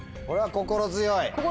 心強い！